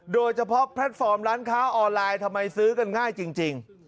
โดยเฉพาะพลาสตรอมร้านค้าออลไลน์ทำไมซื้อกันง่ายจริง